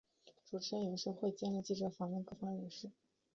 主持人有时会兼任记者访问各方人士。